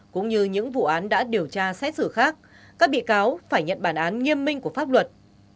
cũng như những vụ án đã điều tra xét xử khác các bị cáo phải nhận bản án nghiêm minh của pháp luật